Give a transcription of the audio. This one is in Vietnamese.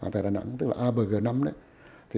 tại đà nẵng tức là abg năm đấy